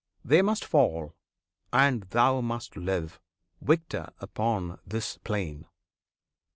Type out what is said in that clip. they must fall, and thou must live, victor upon this plain!